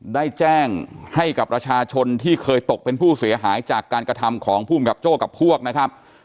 ได้แจ้งให้กับประชาชนที่เคยตกเป็นผู้เสียหายจากการกระทำของภูมิกับโจ้กับพวกนะครับ